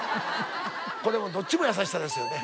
これもどっちも優しさですよね。